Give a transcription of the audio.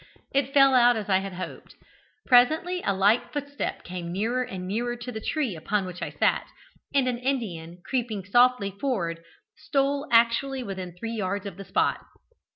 It fell out as I had hoped. Presently a light footstep came nearer and nearer to the tree upon which I sat, and an Indian, creeping softly forward, stole actually within three yards of the spot.